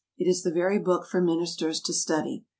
It is the very book for ministers to study.